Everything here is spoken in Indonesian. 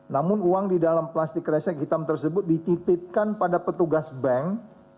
namun uang di dalam plastik kresek hitam tersebut dititipkan pada petugas bank